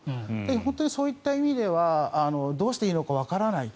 本当にそういった意味ではどうしていいのかわからないと。